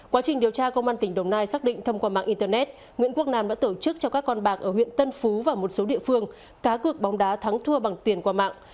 quá trình điều tra công an tỉnh đồng nai xác định thông qua mạng internet nguyễn quốc nam đã tổ chức cho các con bạc ở huyện tân phú và một số địa phương cá cược bóng đá thắng thua bằng tiền qua mạng